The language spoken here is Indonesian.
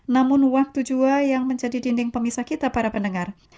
namun waktu jua yang menjadi dinding pemisah kita para pendengar